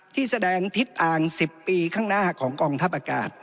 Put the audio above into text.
ที่แสดงทิศทาง๑๐ปีข้างหน้าของกองทัพอากาศ